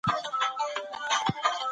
کمپيوټر زده کړه خوندوره کوي.